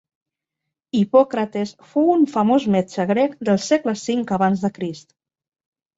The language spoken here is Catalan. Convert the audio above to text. Hipòcrates fou un famós metge grec del segle cinc abans de crist.